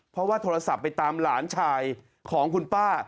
เพราะว่าโทรศัพท์ไปตามหลานชายของคุณป้า